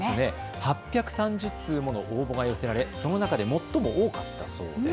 ８３０点の応募が寄せられその中で最も多かったそうです。